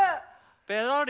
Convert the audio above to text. ペロリ。